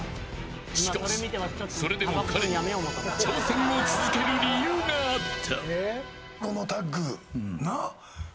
しかし、それでも彼には挑戦を続ける理由があった。